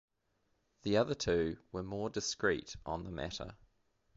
The other two were more discreet on the matter.